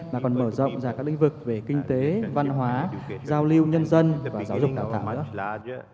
mà còn mở rộng ra các lĩnh vực về kinh tế văn hóa giao lưu nhân dân và giáo dục đảo thảo nữa